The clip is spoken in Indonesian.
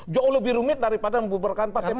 jauh lebih rumit daripada membubarkan partai partai